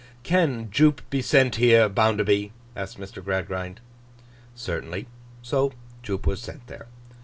'Can Jupe be sent here, Bounderby?' asked Mr. Gradgrind. Certainly. So Jupe was sent there.